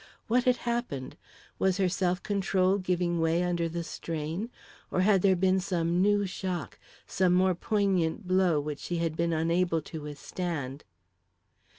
What had happened? Was her self control giving way under the strain, or had there been some new shock, some more poignant blow which she had been unable to withstand?